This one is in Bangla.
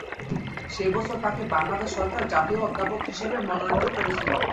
সে বছরে তাঁকে বাংলাদেশ সরকার জাতীয় অধ্যাপক হিসেবে মনোনীত করেছিল।